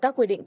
các quy định